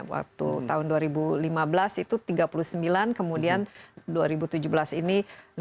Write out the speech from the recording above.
waktu tahun dua ribu lima belas itu tiga puluh sembilan kemudian dua ribu tujuh belas ini lima puluh